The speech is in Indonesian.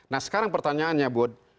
nah sekarang pertanyaannya buat